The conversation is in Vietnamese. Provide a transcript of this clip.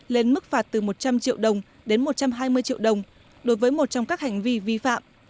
lên mức phạt từ một trăm linh triệu đồng đến một trăm hai mươi triệu đồng đối với một trong các hành vi vi phạm